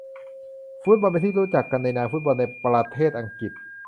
ฟุตบอลเป็นที่รู้จักกันในนามฟุตบอลในประเทศอังกฤษ